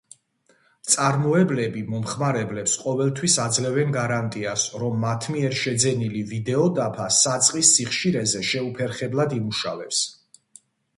მწარმოებლები, მომხმარებლებს ყოველთვის აძლევენ გარანტიას, რომ მათ მიერ შეძენილი ვიდეოდაფა საწყის სიხშირეზე შეუფერხებლად იმუშავებს.